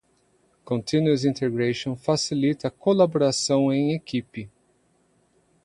Continuous Integration facilita a colaboração em equipe.